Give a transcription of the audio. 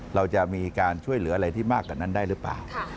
เราจะมีการช่วยเหลืออะไรที่มากกว่านั้นได้หรือเปล่า